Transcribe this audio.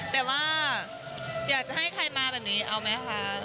แต่ว่าอยากจะให้ใครมาแบบนี้เอาไหมคะ